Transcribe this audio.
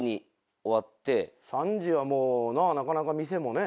３時はもうななかなか店もね。